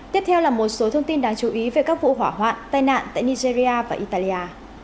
tiếp theo là một số thông tin đáng chú ý về các vụ hỏa hoạn tai nạn tại nigeria và italia